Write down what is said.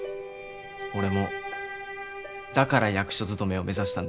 俺もだから役所勤めを目指したんです。